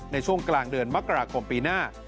ในช่วงกลางเดือนมกราคมปีหน้า